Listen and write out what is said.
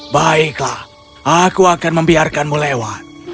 baiklah aku akan membiarkanmu lewat